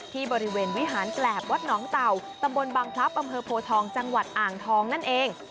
ที่บริเวณวิหารแกรบวัดหนองเต่าตำบลบังพลับอำเภอโพทองจังหวัดอ่างทองนั่นเอง